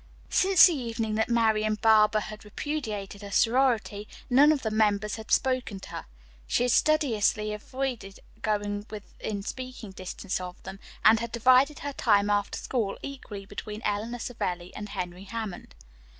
Since the evening that Marian Barber had repudiated her sorority, none of the members had spoken to her. She had studiously avoided going within speaking distance of them and had divided her time after school equally between Eleanor Savelli and Henry Hammond.